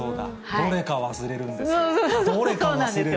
どれか忘れるんですよ。